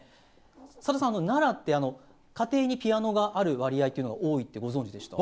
さださん、奈良って家庭にピアノがある割合が多いってご存じでした？